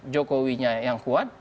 jokowi nya yang kuat